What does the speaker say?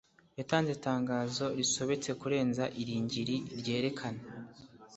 yatanze itangazo risobetse kurenza iringiri, ryerekana